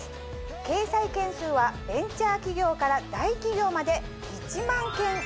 掲載件数はベンチャー企業から大企業まで１万件以上。